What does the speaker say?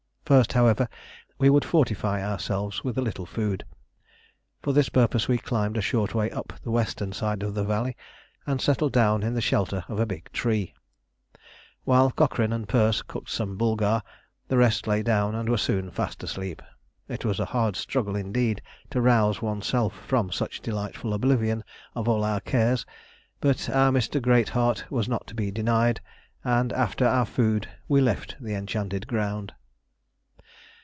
First, however, we would fortify ourselves with a little food. For this purpose we climbed a short way up the western side of the valley and settled down in the shelter of a big tree. While Cochrane and Perce cooked some "boulgar," the rest lay down and were soon fast asleep. It was a hard struggle indeed to rouse oneself from such delightful oblivion of all our cares, but our Mr Greatheart was not to be denied, and after our food we left the Enchanted Ground.